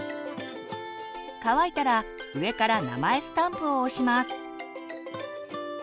乾いたら上から名前スタンプを押します。